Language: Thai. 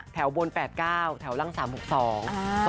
แถวบน๘๙แถวล่าง๓๖๒